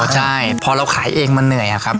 ใช่พอเราขายเองมันเหนื่อยอะครับ